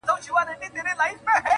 یوه ورځ یې بحث پر خوی او پر عادت سو!.